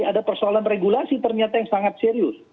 ada persoalan regulasi ternyata yang sangat serius